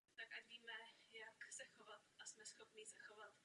Komise nesmí být neutrální už ani okamžik.